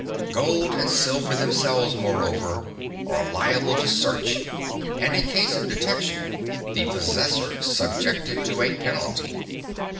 Gold and silver themselves, moreover, are liable to search, (5) and in case of detection, the possessor subjected to a penalty.